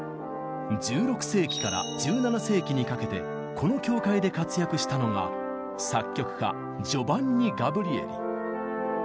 １６世紀から１７世紀にかけてこの教会で活躍したのが作曲家ジョヴァンニ・ガブリエリ。